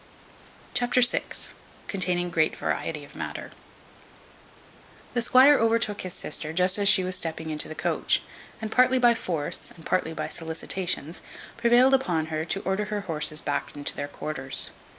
Chapter vi. Containing great variety of matter. The squire overtook his sister just as she was stepping into the coach, and partly by force, and partly by solicitations, prevailed upon her to order her horses back into their quarters.